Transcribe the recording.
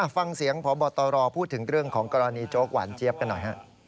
ฟังเสียงพบตรพูดถึงเรื่องของกรณีโจ๊กหวานเจี๊ยบกันหน่อยฮะ